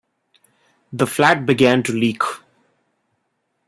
The flat began to leak.